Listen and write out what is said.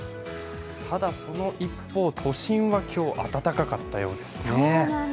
ただ、その一方、都心は今日、暖かかったようですね。